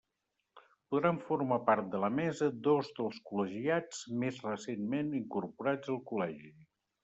Podran formar part de la Mesa dos dels col·legiats més recentment incorporats al Col·legi.